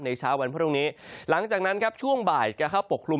เช้าวันพรุ่งนี้หลังจากนั้นครับช่วงบ่ายจะเข้าปกคลุม